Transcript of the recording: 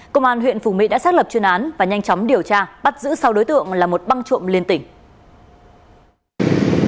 công an huyện phủ mỹ đã xác lập chuyên án và nhanh chóng điều tra bắt giữ sau đối tượng là một băng trộm liên tỉnh